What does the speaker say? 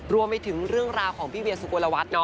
รวมไปถึงเรื่องราวของพี่เวียสุโกลวัฒน์